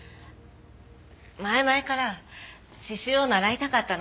前々から刺繍を習いたかったの。